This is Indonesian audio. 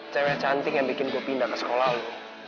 cewek cantik yang bikin gue pindah ke sekolah lo